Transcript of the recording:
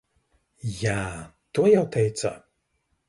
Jā, to jau teicāt.